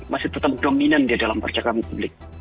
masih tetap dominan di dalam percakapan publik